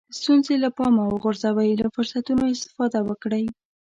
ستونزې له پامه وغورځوئ له فرصتونو استفاده وکړئ.